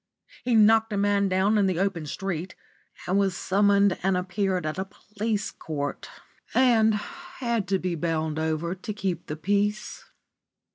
He knocked a man down in the open street, and was summoned and appeared at a police court, and had to be bound over to keep the peace.